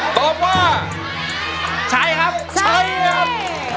ตอบว่าใช้ครับใช้ครับ